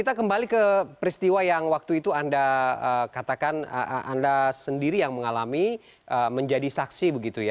kita kembali ke peristiwa yang waktu itu anda katakan anda sendiri yang mengalami menjadi saksi begitu ya